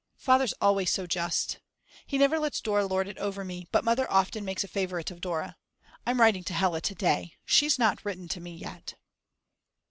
Father's always so just. He never lets Dora lord it over me, but Mother often makes a favourite of Dora. I'm writing to Hella to day. She's not written to me yet.